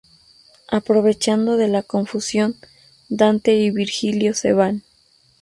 Aprovechando de la confusión, Dante y Virgilio se van.